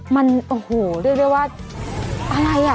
มันโอ้โหเรียกได้ว่าอะไรอ่ะ